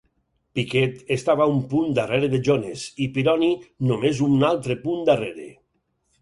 Piquet estava a un punt darrere de Jones i Pironi només un altre punt darrere.